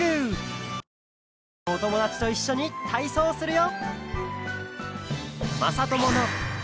ぜんこくのおともだちといっしょにたいそうをするよ！